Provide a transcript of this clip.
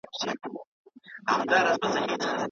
جهاني کله به ږغ سي چي راځه وطن دي خپل دی